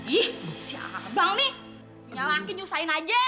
ih bukannya si abang nih punya laki nyusahin aja